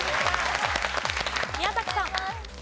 宮崎さん。